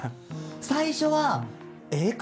最初はええ！